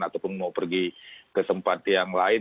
ataupun mau pergi ke tempat yang lain